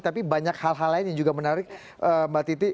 tapi banyak hal hal lain yang juga menarik mbak titi